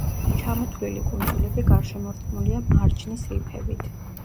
ჩამოთვლილი კუნძულები გარშემორტყმულია მარჯნის რიფებით.